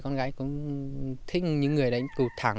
con gái cũng thích những người đánh cụ thẳng